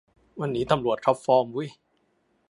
วันนี้ตำรวจท็อปฟอร์มวุ้ย